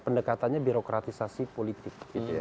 pendekatannya birokratisasi politik